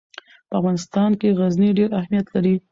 په افغانستان کې غزني ډېر اهمیت لري.